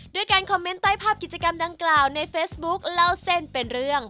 การคอมเมนต์ใต้ภาพกิจกรรมดังกล่าวในเฟซบุ๊คเล่าเส้นเป็นเรื่อง